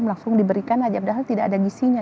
langsung diberikan aja padahal tidak ada gisinya